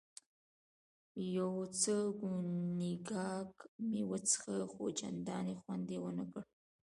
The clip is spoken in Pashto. یو څه کونیګاک مې وڅېښه، خو چندانې خوند یې ونه کړ.